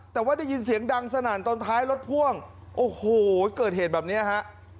แต่ว่าได้ยินเสียงดังสนั่นตอนท้ายรถพ่วงโอ้โหเกิดเหตุแบบนี้ฮะ